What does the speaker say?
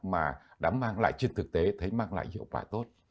mà đã mang lại trên thực tế thấy mang lại hiệu quả tốt